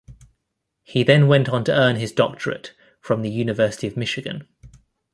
He then went on to earn his doctorate from the University of Michigan.